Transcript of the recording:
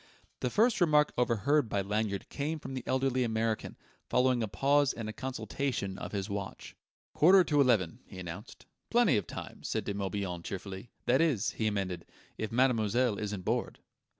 The first remark overheard by Lanyard came from the elderly American, following a pause and a consultation of his watch. "Quarter to eleven," he announced. "Plenty of time," said De Morbihan cheerfully. "That is," he amended, "if mademoiselle isn't bored